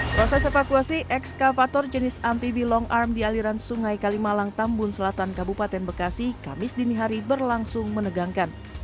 proses evakuasi ekskavator jenis amfibi long arm di aliran sungai kalimalang tambun selatan kabupaten bekasi kamis dinihari berlangsung menegangkan